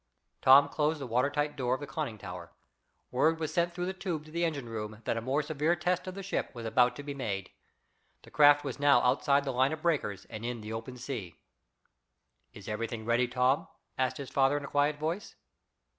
Tom closed the water tight door of the conning tower. Word was sent through the tube to the engine room that a more severe test of the ship was about to be made. The craft was now outside the line of breakers and in the open sea. "Is everything ready, Tom?" asked his father in a quiet voice.